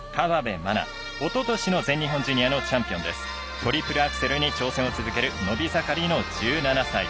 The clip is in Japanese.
トリプルアクセルに挑戦し続ける伸び盛りの１７歳。